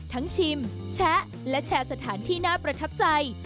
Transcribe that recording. ชิมแชะและแชร์สถานที่น่าประทับใจ